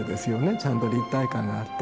ちゃんと立体感があって。